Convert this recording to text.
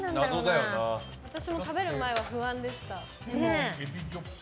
私も食べる前は不安でした。